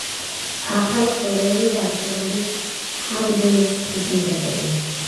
ახალი კორეული დამწერლობის ჰანგულის ფუძემდებელი.